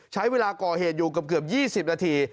ใช้เวลาก่อเหตุอยู่เกือบ๒๐นาที